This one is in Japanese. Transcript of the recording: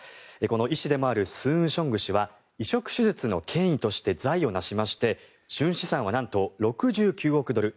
医師でもあるスーンショング氏は移植手術の権威として財を成しまして純資産は何と６９億ドル